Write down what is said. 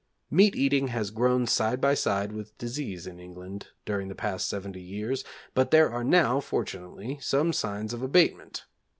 Meat eating has grown side by side with disease in England during the past seventy years, but there are now, fortunately, some signs of abatement.